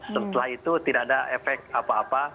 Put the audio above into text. setelah itu tidak ada efek apa apa